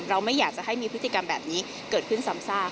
ไม่อยากจะให้มีพฤติกรรมแบบนี้เกิดขึ้นซ้ำซาก